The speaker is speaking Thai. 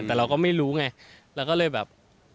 แต่เราก็ไม่รู้ไงเราก็เลยแบบ